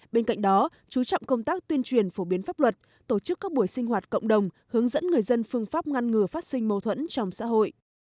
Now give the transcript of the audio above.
bên cạnh đó chú trọng công tác tuyên truyền phổ biến pháp luật tổ chức các buổi sinh hoạt cộng đồng hướng dẫn người dân phương pháp ngăn ngừa phát sinh mâu thuẫn trong xã hội